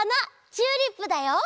チューリップだよ！